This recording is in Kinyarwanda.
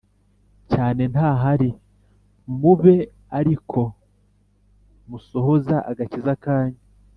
cyane ntahari mube ari ko musohoza agakiza kanyu